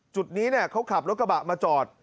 จุดนี้เขาขับรถกระบะมาจอด